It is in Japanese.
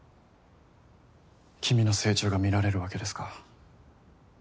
君の成長が見られるわけですか。